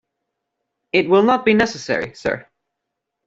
It will not be necessary, sir.